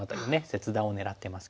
切断を狙ってますけど。